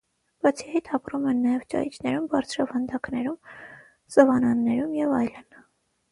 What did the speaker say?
Բացի այդ, ապրում են նաև ճահիճներում, բարձրավանդակներում, սավաննաներում և այլն։